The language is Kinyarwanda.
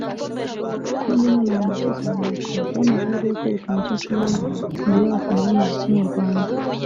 kuri njye nk’umuhanzi ukizamuka byampaye amahirwe yo kwerekana icyo nshoboye imbere y’abafana b’umuziki nyarwanda